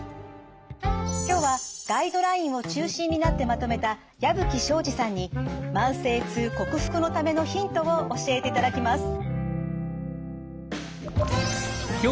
今日はガイドラインを中心になってまとめた矢吹省司さんに慢性痛克服のためのヒントを教えていただきます。